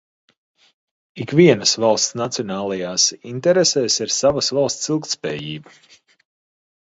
Ikvienas valsts nacionālajās interesēs ir savas valsts ilgtspējība.